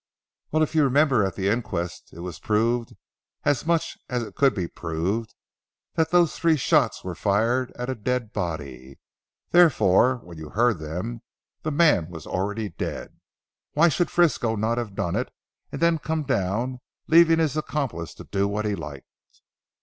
Well, if you remember at the inquest it was proved as much as it could be proved that those three shots were fired at a dead body. Therefore when you heard them the man was already dead. Why should Frisco not have done it and then come down leaving his accomplice to do what he liked."